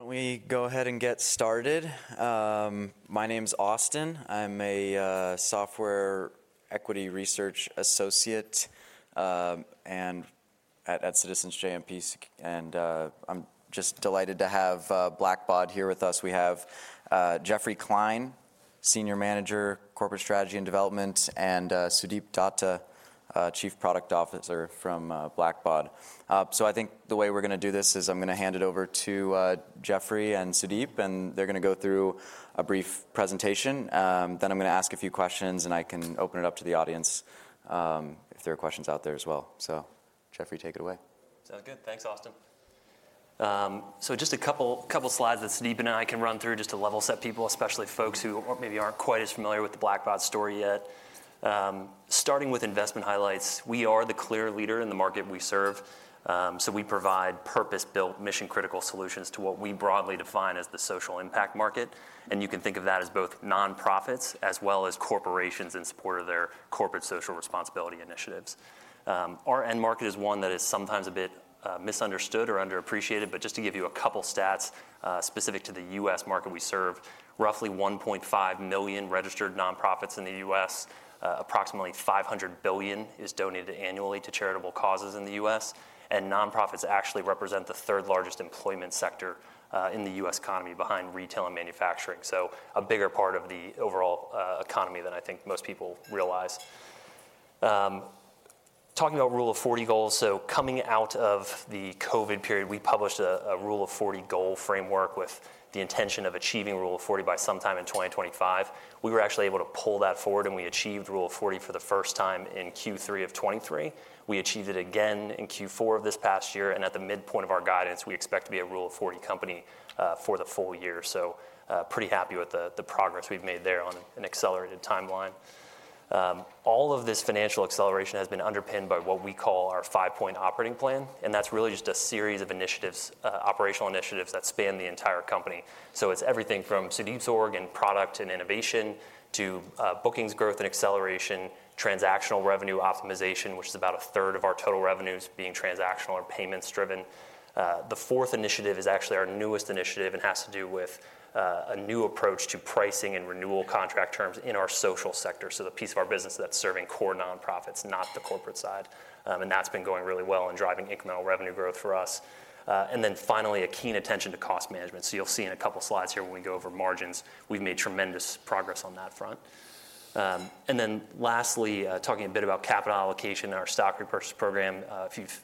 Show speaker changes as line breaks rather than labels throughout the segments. Let me go ahead and get started. My name's Austin. I'm a Software Equity Research Associate at Citizens JMP. And I'm just delighted to have Blackbaud here with us. We have Jeffrey Kline, Senior Manager, Corporate Strategy and Development, and Sudip Datta, Chief Product Officer from Blackbaud. So I think the way we're gonna do this is I'm gonna hand it over to Jeffrey and Sudip, and they're gonna go through a brief presentation. Then I'm gonna ask a few questions, and I can open it up to the audience if there are questions out there as well. So Jeffrey, take it away.
Sounds good. Thanks, Austin. So just a couple, couple slides that Sudip and I can run through just to level set people, especially folks who aren't maybe aren't quite as familiar with the Blackbaud story yet. Starting with investment highlights, we are the clear leader in the market we serve. So we provide purpose-built, mission-critical solutions to what we broadly define as the social impact market. And you can think of that as both nonprofits as well as corporations in support of their corporate social responsibility initiatives. Our end market is one that is sometimes a bit, misunderstood or underappreciated. But just to give you a couple stats, specific to the U.S. market we serve, roughly 1.5 million registered nonprofits in the U.S. Approximately $500 billion is donated annually to charitable causes in the U.S. Nonprofits actually represent the third-largest employment sector in the U.S. economy behind retail and manufacturing. So a bigger part of the overall economy than I think most people realize. Talking about Rule of 40 goals, so coming out of the COVID period, we published a Rule of 40 goal framework with the intention of achieving Rule of 40 by sometime in 2025. We were actually able to pull that forward, and we achieved Rule of 40 for the first time in Q3 of 2023. We achieved it again in Q4 of this past year. At the midpoint of our guidance, we expect to be a Rule of 40 company for the full year. So pretty happy with the progress we've made there on an accelerated timeline. All of this financial acceleration has been underpinned by what we call our five-point operating plan. That's really just a series of initiatives, operational initiatives that span the entire company. So it's everything from Sudip's org and product and innovation to bookings growth and acceleration, transactional revenue optimization, which is about 1/3 of our total revenues being transactional or payments-driven. The fourth initiative is actually our newest initiative and has to do with a new approach to pricing and renewal contract terms in our social sector. So the piece of our business that's serving core nonprofits, not the corporate side. And that's been going really well and driving incremental revenue growth for us. And then finally, a keen attention to cost management. So you'll see in a couple slides here when we go over margins, we've made tremendous progress on that front. Then lastly, talking a bit about capital allocation in our stock repurchase program, if you've,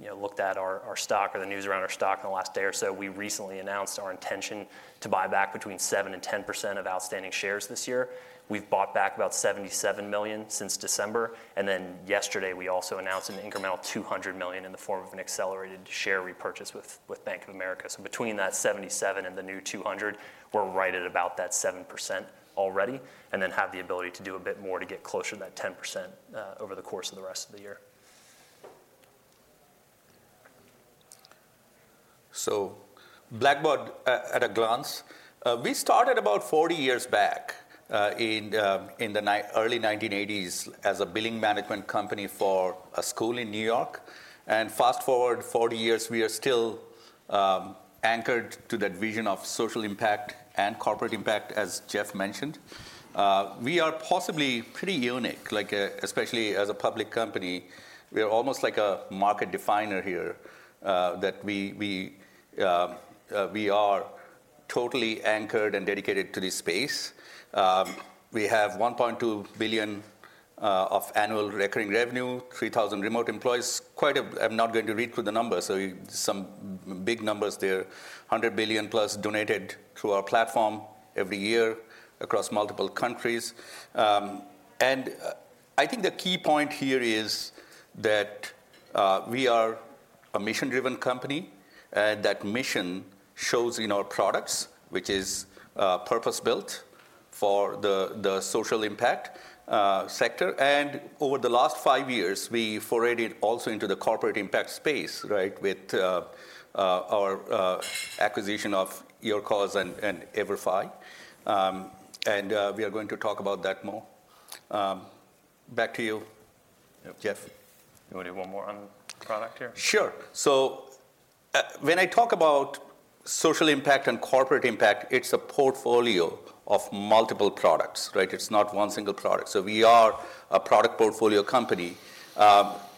you know, looked at our stock or the news around our stock in the last day or so, we recently announced our intention to buy back between 7% and 10% of outstanding shares this year. We've bought back about $77 million since December. Then yesterday, we also announced an incremental $200 million in the form of an accelerated share repurchase with Bank of America. So between that $77 and the new $200, we're right at about that 7% already and then have the ability to do a bit more to get closer to that 10%, over the course of the rest of the year.
So Blackbaud, at a glance, we started about 40 years back, in the early 1980s as a billing management company for a school in New York. Fast forward 40 years, we are still anchored to that vision of social impact and corporate impact, as Jeff mentioned. We are possibly pretty unique, like, especially as a public company. We are almost like a market definer here, that we are totally anchored and dedicated to this space. We have $1.2 billion of annual recurring revenue, 3,000 remote employees. Quite a, I'm not going to read through the numbers, so some big numbers there. $100 billion plus donated through our platform every year across multiple countries. I think the key point here is that we are a mission-driven company, and that mission shows in our products, which is purpose-built for the social impact sector. Over the last five years, we forayed it also into the corporate impact space, right, with our acquisition of YourCause and EVERFI. We are going to talk about that more. Back to you, Jeff.
You wanna do one more on the product here?
Sure. So, when I talk about social impact and corporate impact, it's a portfolio of multiple products, right? It's not one single product. So we are a product portfolio company,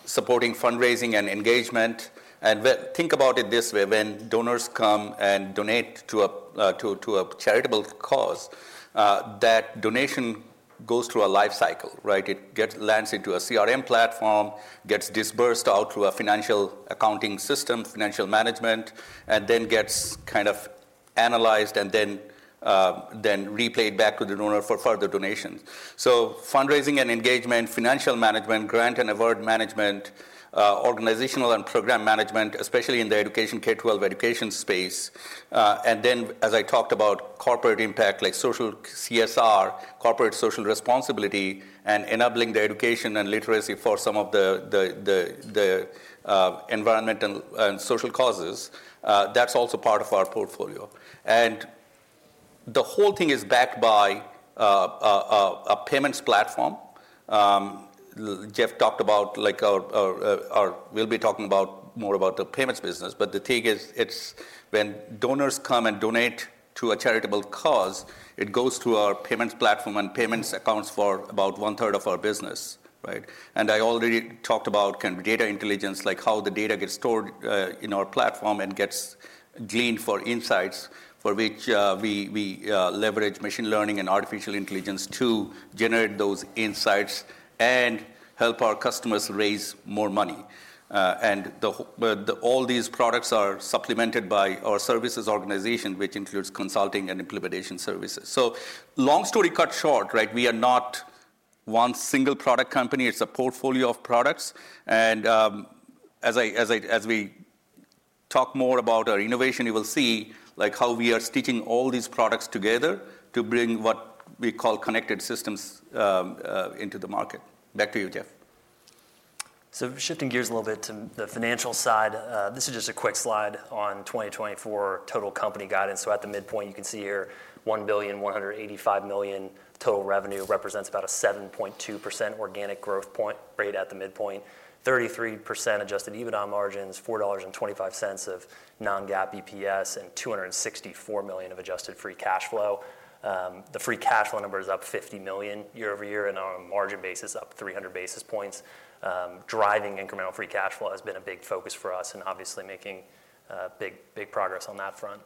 supporting fundraising and engagement. And when I think about it this way, when donors come and donate to a charitable cause, that donation goes through a life cycle, right? It lands into a CRM platform, gets disbursed out through a financial accounting system, financial management, and then gets kind of analyzed and then replayed back to the donor for further donations. So fundraising and engagement, financial management, grant and award management, organizational and program management, especially in the education K-12 education space, and then, as I talked about, corporate impact, like social CSR, corporate social responsibility, and enabling the education and literacy for some of the environmental and social causes, that's also part of our portfolio. And the whole thing is backed by a payments platform. Jeff talked about, like, we'll be talking about more about the payments business. But the thing is, it's when donors come and donate to a charitable cause, it goes through our payments platform and payments accounts for about one-third of our business, right? I already talked about kind of data intelligence, like how the data gets stored in our platform and gets gleaned for insights, for which we leverage machine learning and artificial intelligence to generate those insights and help our customers raise more money. But all these products are supplemented by our services organization, which includes consulting and implementation services. So long story cut short, right, we are not one single product company. It's a portfolio of products. And as we talk more about our innovation, you will see, like, how we are stitching all these products together to bring what we call Connected Systems into the market. Back to you, Jeff.
So shifting gears a little bit to the financial side, this is just a quick slide on 2024 total company guidance. So at the midpoint, you can see here $1,185 million total revenue represents about a 7.2% organic growth point rate at the midpoint, 33% adjusted EBITDA margins, $4.25 of non-GAAP EPS, and $264 million of adjusted free cash flow. The free cash flow number is up $50 million year-over-year, and on a margin basis, up 300 basis points. Driving incremental free cash flow has been a big focus for us and obviously making, big, big progress on that front.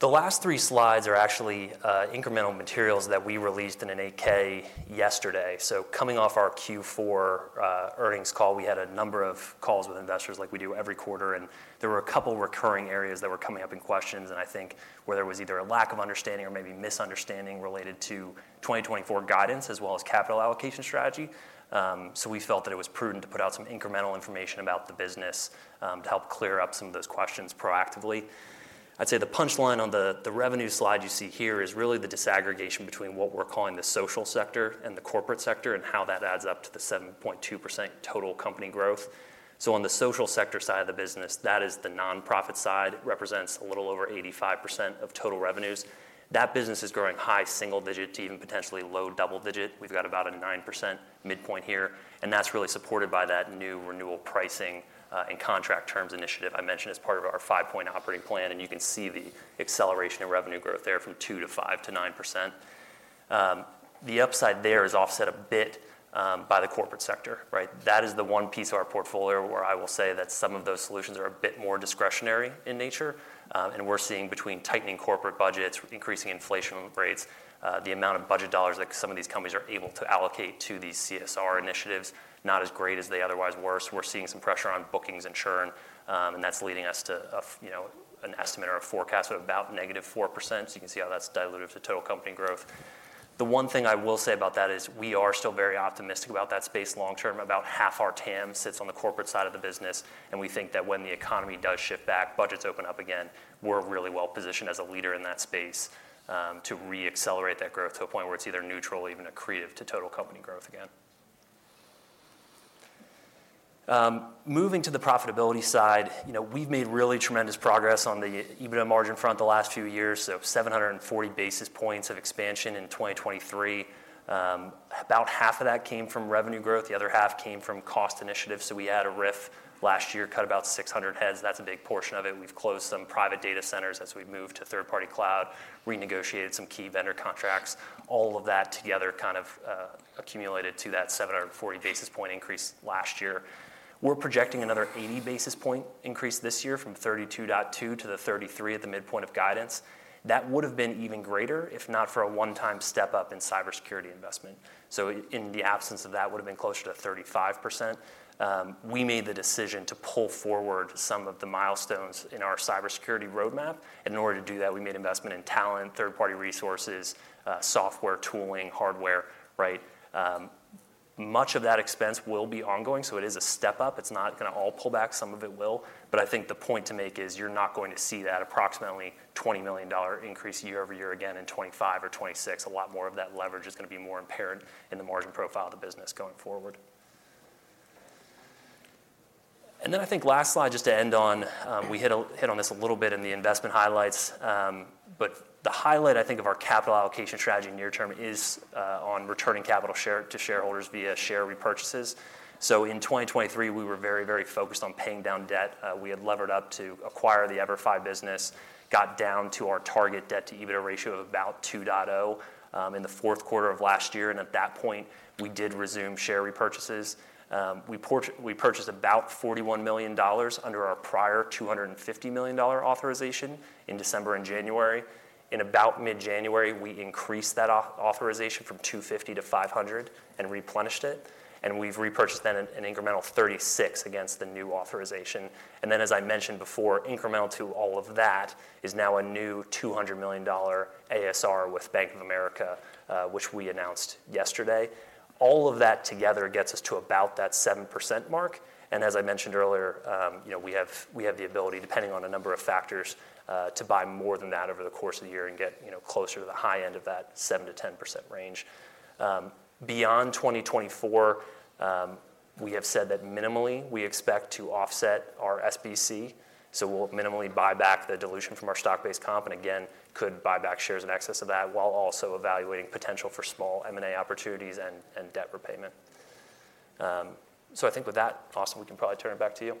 The last three slides are actually, incremental materials that we released in an 8-K yesterday. So coming off our Q4 earnings call, we had a number of calls with investors, like we do every quarter. There were a couple recurring areas that were coming up in questions, and I think where there was either a lack of understanding or maybe misunderstanding related to 2024 guidance as well as capital allocation strategy. So we felt that it was prudent to put out some incremental information about the business, to help clear up some of those questions proactively. I'd say the punchline on the revenue slide you see here is really the disaggregation between what we're calling the social sector and the corporate sector and how that adds up to the 7.2% total company growth. So on the social sector side of the business, that is the nonprofit side. It represents a little over 85% of total revenues. That business is growing high single digit to even potentially low double digit. We've got about a 9% midpoint here. That's really supported by that new renewal pricing, and contract terms initiative I mentioned as part of our five-point operating plan. You can see the acceleration in revenue growth there from 2% to 5% to 9%. The upside there is offset a bit by the corporate sector, right? That is the one piece of our portfolio where I will say that some of those solutions are a bit more discretionary in nature. And we're seeing between tightening corporate budgets, increasing inflation rates, the amount of budget dollars that some of these companies are able to allocate to these CSR initiatives, not as great as they otherwise were. So we're seeing some pressure on bookings and churn. And that's leading us to a, you know, an estimate or a forecast of about -4%. So you can see how that's diluted to total company growth. The one thing I will say about that is we are still very optimistic about that space long term. About half our TAM sits on the corporate side of the business. And we think that when the economy does shift back, budgets open up again, we're really well positioned as a leader in that space, to re-accelerate that growth to a point where it's either neutral or even accretive to total company growth again. Moving to the profitability side, you know, we've made really tremendous progress on the EBITDA margin front the last few years. So 740 basis points of expansion in 2023. About half of that came from revenue growth. The other half came from cost initiatives. So we had a RIF last year, cut about 600 heads. That's a big portion of it. We've closed some private data centers as we've moved to third-party cloud, renegotiated some key vendor contracts. All of that together kind of accumulated to that 740 basis point increase last year. We're projecting another 80 basis point increase this year from 32.2% to 33% at the midpoint of guidance. That would have been even greater if not for a one-time step up in cybersecurity investment. So in the absence of that, it would have been closer to 35%. We made the decision to pull forward some of the milestones in our cybersecurity roadmap. And in order to do that, we made investment in talent, third-party resources, software, tooling, hardware, right? Much of that expense will be ongoing. So it is a step up. It's not gonna all pull back. Some of it will. But I think the point to make is you're not going to see that approximately $20 million increase year-over-year again in 2025 or 2026. A lot more of that leverage is gonna be more important in the margin profile of the business going forward. And then I think last slide just to end on, we hit on this a little bit in the investment highlights, but the highlight, I think, of our capital allocation strategy near term is on returning capital share to shareholders via share repurchases. So in 2023, we were very, very focused on paying down debt. We had levered up to acquire the EVERFI business, got down to our target debt-to-EBITDA ratio of about 2.0, in the fourth quarter of last year. And at that point, we did resume share repurchases. We purchased about $41 million under our prior $250 million authorization in December and January. In about mid-January, we increased that authorization from $250 million to $500 million and replenished it. And we've repurchased then an incremental $36 million against the new authorization. And then, as I mentioned before, incremental to all of that is now a new $200 million ASR with Bank of America, which we announced yesterday. All of that together gets us to about that 7% mark. And as I mentioned earlier, you know, we have the ability, depending on a number of factors, to buy more than that over the course of the year and get, you know, closer to the high end of that 7%-10% range. Beyond 2024, we have said that minimally, we expect to offset our SBC. So we'll minimally buy back the dilution from our stock-based comp and again could buy back shares in excess of that while also evaluating potential for small M&A opportunities and debt repayment. So I think with that, Austin, we can probably turn it back to you.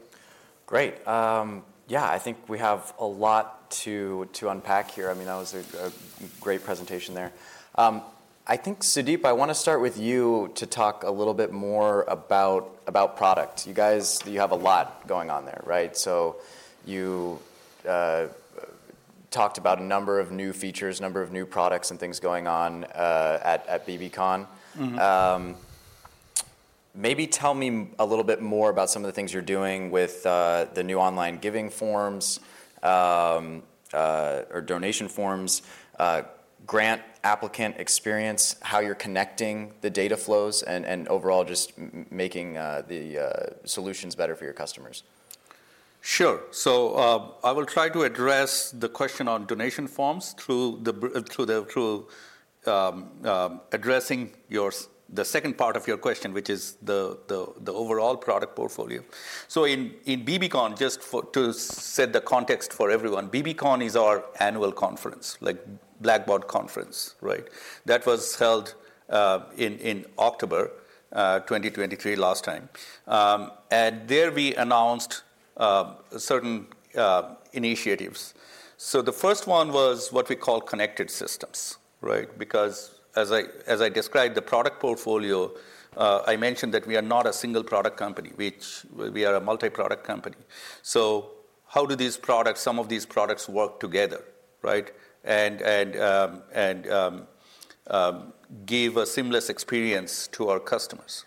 Great. Yeah, I think we have a lot to unpack here. I mean, that was a great presentation there. I think, Sudip, I wanna start with you to talk a little bit more about product. You guys have a lot going on there, right? So you talked about a number of new features, a number of new products and things going on at bbcon. Maybe tell me a little bit more about some of the things you're doing with the new online giving forms, or donation forms, grant applicant experience, how you're connecting the data flows, and overall just making the solutions better for your customers.
Sure. So, I will try to address the question on donation forms through, addressing the second part of your question, which is the overall product portfolio. So in bbcon, just to set the context for everyone, bbcon is our annual conference, like Blackbaud Conference, right? That was held in October 2023 last time, and there we announced certain initiatives. So the first one was what we call Connected Systems, right? Because as I described, the product portfolio, I mentioned that we are not a single product company, which we are a multi-product company. So how do these products some of these products work together, right? And give a seamless experience to our customers,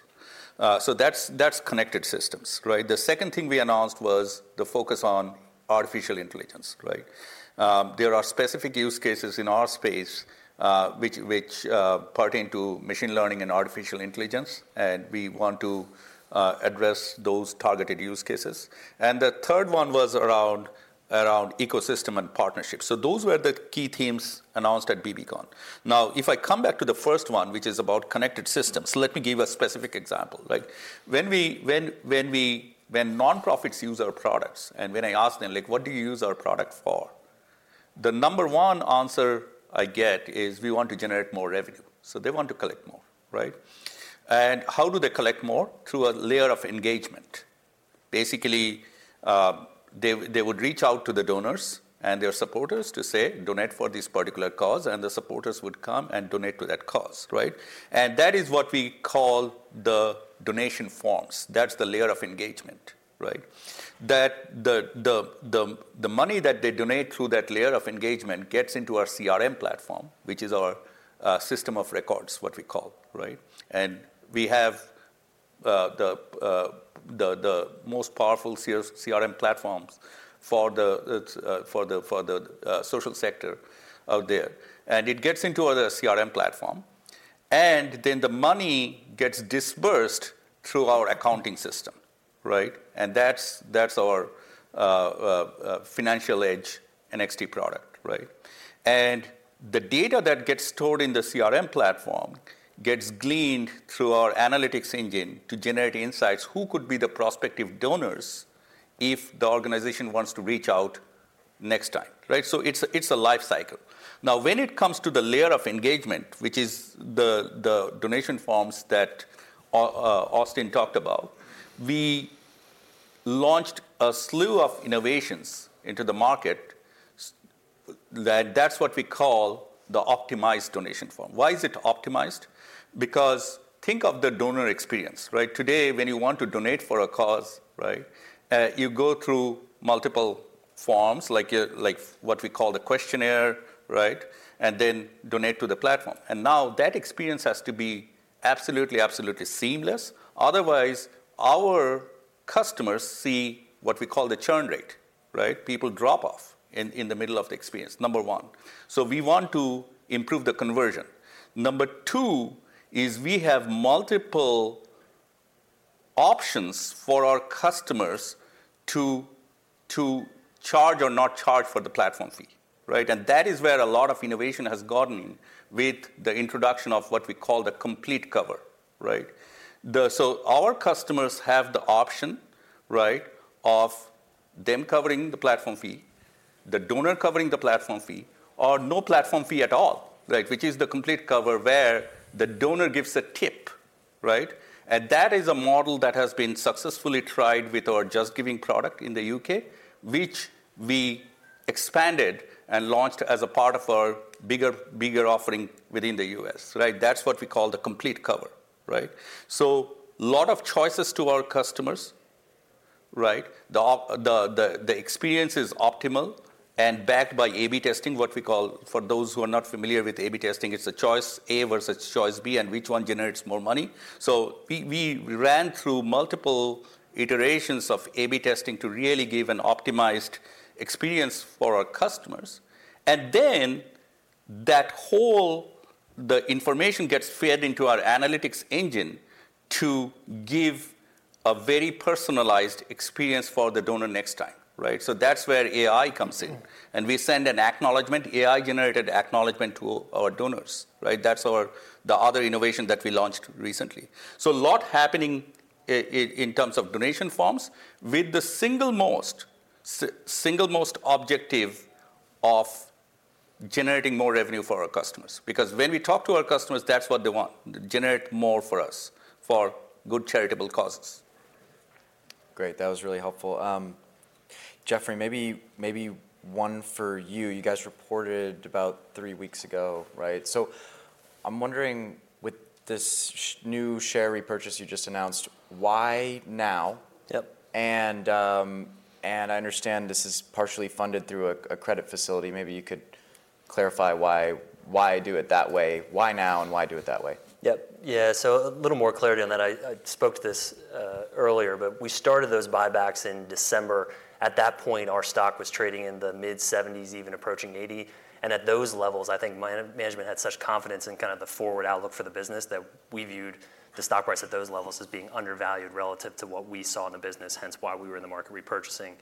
so that's Connected Systems, right? The second thing we announced was the focus on artificial intelligence, right? There are specific use cases in our space, which pertain to machine learning and artificial intelligence. We want to address those targeted use cases. The third one was around ecosystem and partnerships. Those were the key themes announced at bbcon. Now, if I come back to the first one, which is about Connected Systems, let me give a specific example, right? When nonprofits use our products and when I ask them, like, "What do you use our product for?" the number one answer I get is, "We want to generate more revenue." They want to collect more, right? How do they collect more? Through a layer of engagement. Basically, they would reach out to the donors and their supporters to say, "Donate for this particular cause." The supporters would come and donate to that cause, right? And that is what we call the donation forms. That's the layer of engagement, right? That the money that they donate through that layer of engagement gets into our CRM platform, which is our system of records, what we call, right? And we have the most powerful CRM platforms for the social sector out there. And it gets into our CRM platform. And then the money gets dispersed through our accounting system, right? And that's our Financial Edge NXT product, right? And the data that gets stored in the CRM platform gets gleaned through our analytics engine to generate insights who could be the prospective donors if the organization wants to reach out next time, right? So it's a life cycle. Now, when it comes to the layer of engagement, which is the donation forms that Austin talked about, we launched a slew of innovations into the market. That's what we call the Optimized Donation Form. Why is it optimized? Because think of the donor experience, right? Today, when you want to donate for a cause, right, you go through multiple forms like what we call the questionnaire, right, and then donate to the platform. And now that experience has to be absolutely seamless. Otherwise, our customers see what we call the churn rate, right? People drop off in the middle of the experience, number one. So we want to improve the conversion. Number two is we have multiple options for our customers to charge or not charge for the platform fee, right? And that is where a lot of innovation has gotten in with the introduction of what we call the Complete Cover, right? So our customers have the option, right, of them covering the platform fee, the donor covering the platform fee, or no platform fee at all, right, which is the Complete Cover where the donor gives a tip, right? And that is a model that has been successfully tried with our JustGiving product in the U.K., which we expanded and launched as a part of our bigger, bigger offering within the U.S., right? That's what we call the Complete Cover, right? So a lot of choices to our customers, right? The experience is optimal and backed by A/B testing, what we call for those who are not familiar with A/B testing: it's a choice A versus choice B and which one generates more money. So we ran through multiple iterations of A/B testing to really give an optimized experience for our customers. And then that whole information gets fed into our analytics engine to give a very personalized experience for the donor next time, right? So that's where AI comes in. And we send an acknowledgment, AI-generated acknowledgment to our donors, right? That's our other innovation that we launched recently. So a lot happening in terms of donation forms with the single most objective of generating more revenue for our customers. Because when we talk to our customers, that's what they want, generate more for us for good charitable causes.
Great. That was really helpful. Jeffrey, maybe one for you. You guys reported about three weeks ago, right? So I'm wondering, with this new share repurchase you just announced, why now?
Yep.
I understand this is partially funded through a credit facility. Maybe you could clarify why, why do it that way, why now, and why do it that way?
Yep. Yeah. So a little more clarity on that. I spoke to this earlier, but we started those buybacks in December. At that point, our stock was trading in the mid-70s, even approaching 80. And at those levels, I think management had such confidence in kind of the forward outlook for the business that we viewed the stock price at those levels as being undervalued relative to what we saw in the business, hence why we were in the market repurchasing.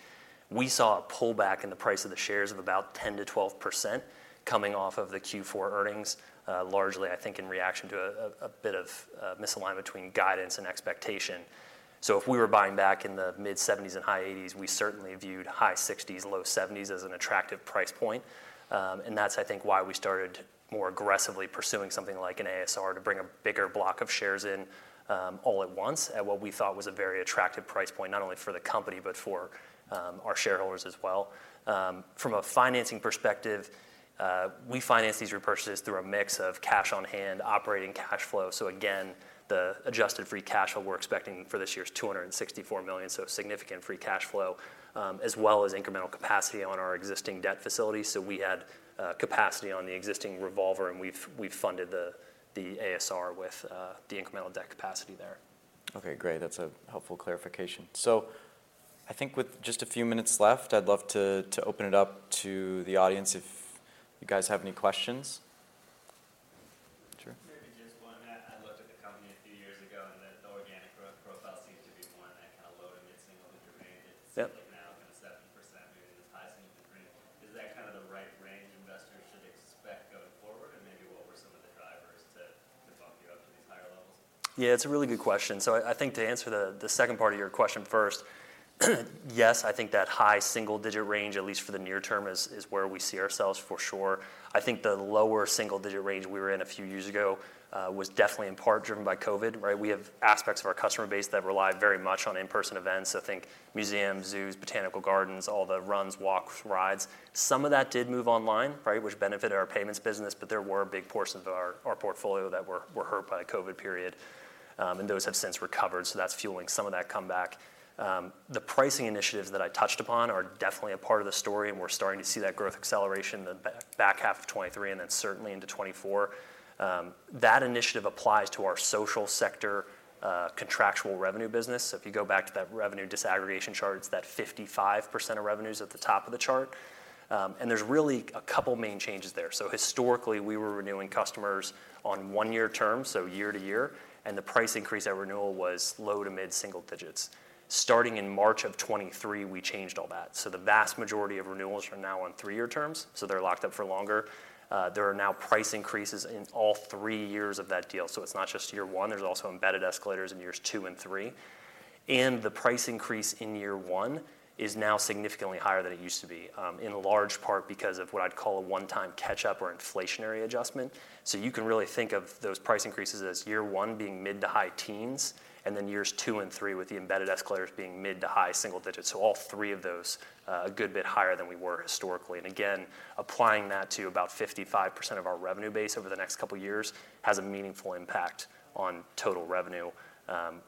We saw a pullback in the price of the shares of about 10%-12% coming off of the Q4 earnings, largely, I think, in reaction to a bit of misalignment between guidance and expectation. So if we were buying back in the mid-70s and high-80s, we certainly viewed high-60s, low-70s as an attractive price point. and that's, I think, why we started more aggressively pursuing something like an ASR to bring a bigger block of shares in all at once at what we thought was a very attractive price point, not only for the company but for our shareholders as well. From a financing perspective, we finance these repurchases through a mix of cash on hand, operating cash flow. So again, the adjusted free cash flow we're expecting for this year is $264 million, so significant free cash flow, as well as incremental capacity on our existing debt facility. So we had capacity on the existing revolver, and we've funded the ASR with the incremental debt capacity there.
Okay. Great. That's a helpful clarification. So I think with just a few minutes left, I'd love to open it up to the audience if you guys have any questions. Sure.
And those have since recovered. So that's fueling some of that comeback. The pricing initiatives that I touched upon are definitely a part of the story. And we're starting to see that growth acceleration in the back half of 2023 and then certainly into 2024. That initiative applies to our social sector, contractual revenue business. So if you go back to that revenue disaggregation chart, it's that 55% of revenues at the top of the chart. And there's really a couple main changes there. So historically, we were renewing customers on one-year terms, so year to year. And the price increase at renewal was low- to mid-single digits. Starting in March of 2023, we changed all that. So the vast majority of renewals are now on three-year terms. So they're locked up for longer. There are now price increases in all three years of that deal. So it's not just year one. There's also embedded escalators in years two and three. The price increase in year one is now significantly higher than it used to be, in large part because of what I'd call a one-time catch-up or inflationary adjustment. You can really think of those price increases as year one being mid- to high teens and then years two and three with the embedded escalators being mid- to high single digits. All three of those, a good bit higher than we were historically. And again, applying that to about 55% of our revenue base over the next couple years has a meaningful impact on total revenue.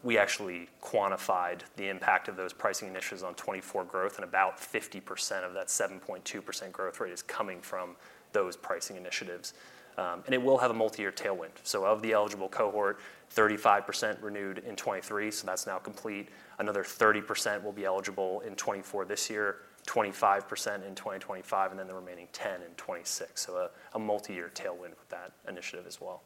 We actually quantified the impact of those pricing initiatives on 2024 growth. And about 50% of that 7.2% growth rate is coming from those pricing initiatives. And it will have a multi-year tailwind. Of the eligible cohort, 35% renewed in 2023, so that's now complete. Another 30% will be eligible in 2024 this year, 25% in 2025, and then the remaining 10% in 2026. So a multi-year tailwind with that initiative as well.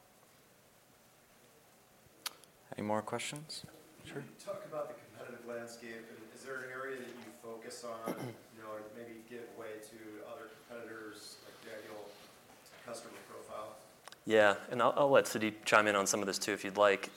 Any more questions? Sure.
Talk about the competitive landscape. Is there an area that you focus on, you know, or maybe give way to other competitors, like the ideal customer profile?
Yeah. And I'll, I'll let Sudip chime in on some of this too if you'd like.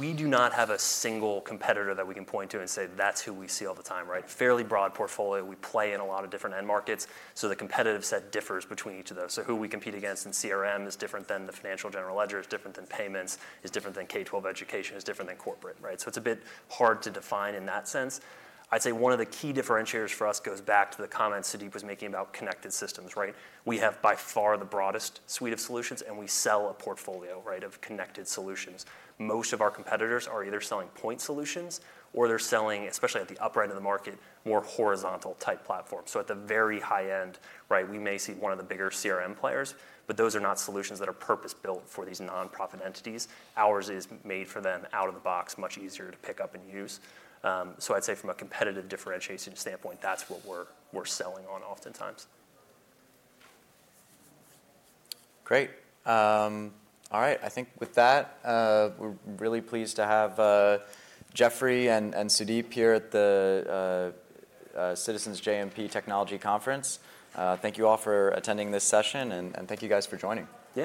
We do not have a single competitor that we can point to and say, "That's who we see all the time," right? Fairly broad portfolio. We play in a lot of different end markets. So the competitive set differs between each of those. So who we compete against in CRM is different than the financial general ledger, is different than payments, is different than K-12 education, is different than corporate, right? So it's a bit hard to define in that sense. I'd say one of the key differentiators for us goes back to the comments Sudip was making about Connected Systems, right? We have by far the broadest suite of solutions, and we sell a portfolio, right, of connected solutions. Most of our competitors are either selling point solutions or they're selling, especially at the upright end of the market, more horizontal-type platforms. So at the very high end, right, we may see one of the bigger CRM players, but those are not solutions that are purpose-built for these nonprofit entities. Ours is made for them out of the box, much easier to pick up and use. So I'd say from a competitive differentiation standpoint, that's what we're selling on oftentimes.
Great. All right. I think with that, we're really pleased to have Jeffrey and Sudip at the Citizens JMP Technology Conference. Thank you all for attending this session. And thank you guys for joining.
Yeah.